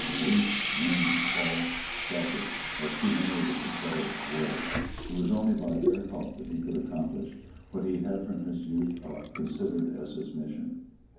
Weak, mean, false, selfish, as too many of the confederates were, it was only by their help that he could accomplish what he had from his youth up considered as his mission.